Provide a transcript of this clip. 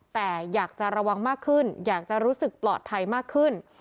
แต่อยากจะระวังมากขึ้นอยากจะรู้สึกปลอดภัยมากขึ้น